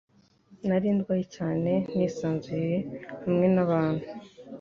Nari ndwaye cyane nisanzuye hamwe nabantu.